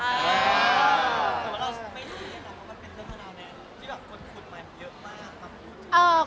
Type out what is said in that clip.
แต่ว่าเราไม่เห็นว่ามันเป็นเรื่องขนาดนั้นที่คนคุณมาเยอะมาก